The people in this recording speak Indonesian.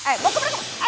eh mau kemana kemana